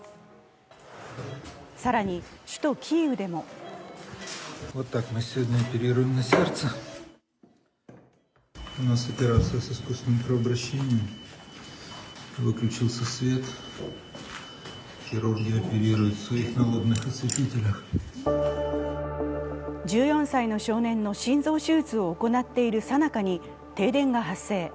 更に首都キーウでも１４歳の少年の心臓手術を行っている最中に停電が発生。